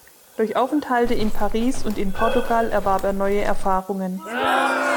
Durch Aufenthalte in Paris und in Portugal erwarb er neue Erfahrungen.